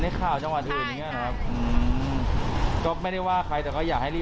น่าจะไม่มาจ้ะ